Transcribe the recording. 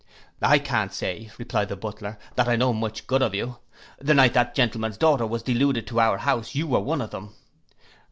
'—'I can't say,' replied the butler, 'that I know much good of you. The night that gentleman's daughter was deluded to our house, you were one of them.